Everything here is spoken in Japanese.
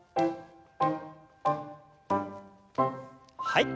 はい。